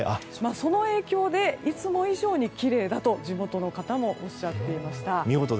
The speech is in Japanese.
その影響でいつも以上にきれいだと地元の方もおっしゃっていました。